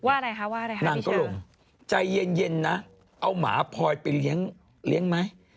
ว่าอะไรคะพี่เชิร์มนางก็ลงใจเย็นนะเอาหมาพอยไปเลี้ยงไหม